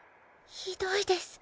ひどいです。